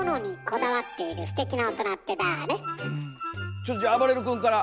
ちょっとじゃああばれる君から。